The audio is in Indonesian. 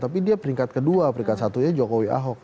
tapi dia peringkat kedua peringkat satunya jokowi ahok